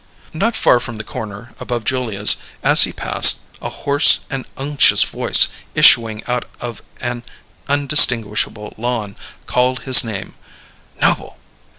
Not far from the corner above Julia's, as he passed, a hoarse and unctuous voice, issuing out of an undistinguishable lawn, called his name: "Noble!